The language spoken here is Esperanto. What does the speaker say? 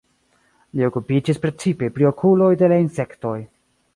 Li okupiĝis precipe pri okuloj de la insektoj.